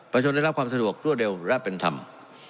ชนได้รับความสะดวกรวดเร็วและเป็นธรรม